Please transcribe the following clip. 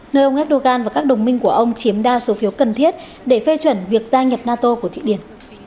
nơi ông erdogan và các đồng minh của ông chiếm đa số phiếu cần thiết để phê chuẩn việc gia nhập nato của thụy điển